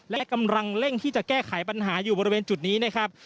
และกำลังเร่งที่จะแก้ไขปัญหาอยู่บริเวณจุดนี้นะครับ